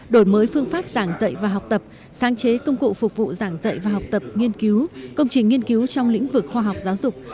đổi mới phương pháp giảng dạy và học tập sáng chế công cụ phục vụ giảng dạy và học tập nghiên cứu công trình nghiên cứu trong lĩnh vực khoa học giáo dục